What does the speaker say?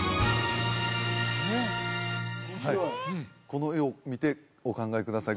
はいこの絵を見てお考えください